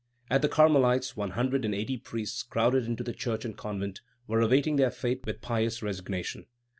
At the Carmelites, one hundred and eighty priests, crowded into the church and convent, were awaiting their fate with pious resignation.